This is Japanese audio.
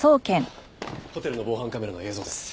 ホテルの防犯カメラの映像です。